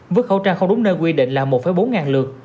với khẩu trang không đúng nơi quy định là một bốn lượt